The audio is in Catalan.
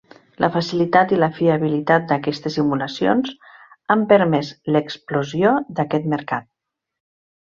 La facilitat i la fiabilitat d'aquestes simulacions han permès l'explosió d'aquest mercat.